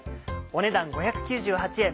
お値段５９８円。